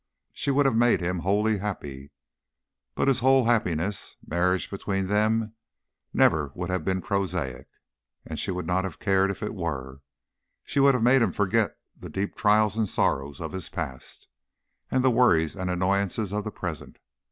She would have made him wholly happy, been his whole happiness; marriage between them never would have been prosaic, and she would not have cared if it were; she would have made him forget the deep trials and sorrows of his past and the worries and annoyances of the present.